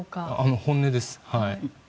本音です。